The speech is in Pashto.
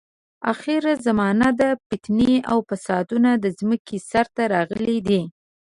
اخره زمانه ده، فتنې او فسادونه د ځمکې سر ته راغلي دي.